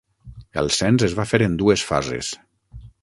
El cens es va fer en dues fases.